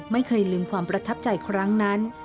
ไม่เคยลืมความประทับใจครั้งนั้น